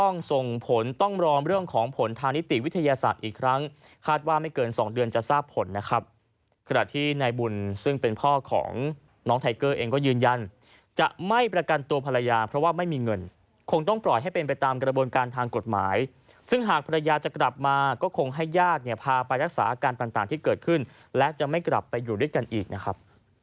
น้องไทเกอร์เองก็ยืนยันจะไม่ประกันตัวภรรยาเพราะว่าไม่มีเงินคงต้องปล่อยให้เป็นไปตามกระบวนการทางกฎหมายซึ่งหากภรรยาจะกลับมาก็คงให้ญาติเนี่ยพาไปรักษาอาการต่างต่างที่เกิดขึ้นและจะไม่กลับไปอยู่ด้วยกันอีกนะครับ